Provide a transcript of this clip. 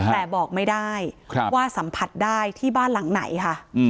แต่บอกไม่ได้ว่าสัมผัสได้ที่บ้านหลังไหนค่ะ